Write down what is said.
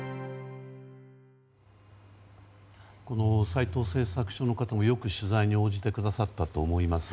斎藤製作所の方もよく取材に応じてくださったと思います。